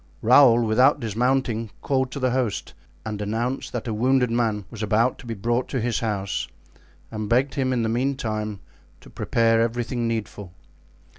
Raoul, without dismounting, called to the host and announced that a wounded man was about to be brought to his house and begged him in the meantime to prepare everything needful.